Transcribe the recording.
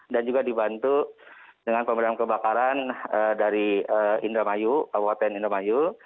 dan juga dibantu dengan pemadam kebakaran dari indramayu kabupaten indramayu